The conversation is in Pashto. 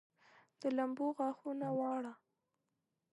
د لمبو غاښونه واړه